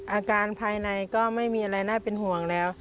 อาการภายในก็ไม่มีอะไรน่าเป็นห่วงแล้ว